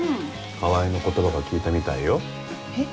川合の言葉が効いたみたいよ。え？